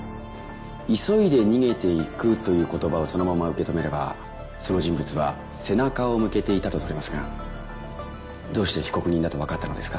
急いで逃げていくという言葉をそのまま受け止めればその人物は背中を向けていたと取れますがどうして被告人だとわかったのですか？